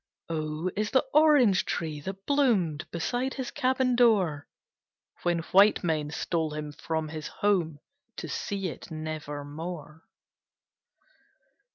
O O is the Orange tree, that bloomed Beside his cabin door, When white men stole him from his home To see it never more.